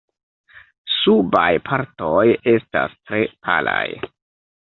Subaj partoj estas tre palaj.